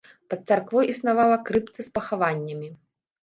Пад царквой існавала крыпта з пахаваннямі.